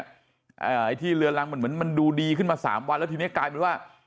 ไอ้ที่เรือนรังมันเหมือนมันดูดีขึ้นมาสามวันแล้วทีนี้กลายเป็นว่า